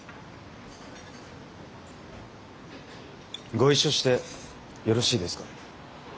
ご一緒してよろしいですか？